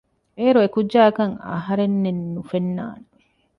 އޭރު އެކުއްޖާއަކަށް އަހަރެންނެއް ނުފެންނާނެ